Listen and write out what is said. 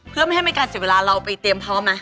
เพื่อไม่ให้มีการเสียเวลาเราไปเตรียมพร้อมไหม